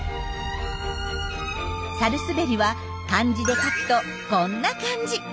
サルスベリは漢字で書くとこんな感じ。